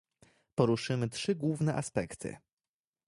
Poruszymy trzy główne aspekty